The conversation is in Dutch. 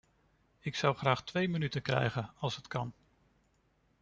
Ik zou graag twee minuten krijgen, als het kan.